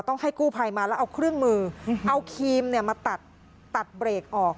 ต้องให้กู้ภัยมาแล้วเอาเครื่องมือเอาครีมเนี่ยมาตัดตัดเบรกออก